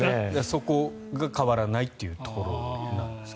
そこが変わらないというところなんですかね。